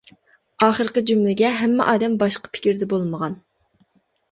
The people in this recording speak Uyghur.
ئاخىرقى جۈملىگە ھەممە ئادەم باشقا پىكىردە بولمىغان.